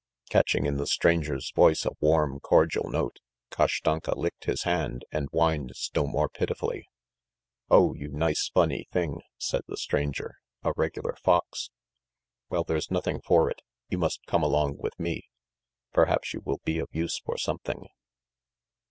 Catching in the stranger's voice a warm, cordial note, Kashtanka licked his hand, and whined still more pitifully. "Oh, you nice funny thing!" said the stranger. "A regular fox! Well, there's nothing for it, you must come along with me! Perhaps you will be of use for something.